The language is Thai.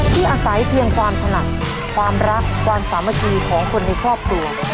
ที่อาศัยเพียงความถนัดความรักความสามัคคีของคนในครอบครัว